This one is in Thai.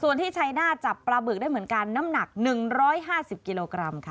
ส่วนที่ชัยหน้าจับปลาบึกได้เหมือนกันน้ำหนัก๑๕๐กิโลกรัมค่ะ